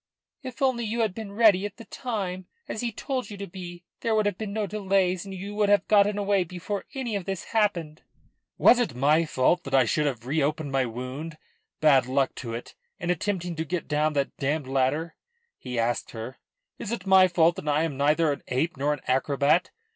"If only you had been ready at the time, as he told you to be, there would have been no delays, and you would have got away before any of this happened." "Was it my fault that I should have reopened my wound bad luck to it! in attempting to get down that damned ladder?" he asked her. "Is it my fault that I am neither an ape nor an acrobat?